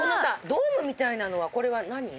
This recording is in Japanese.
ドームみたいなのはこれは何？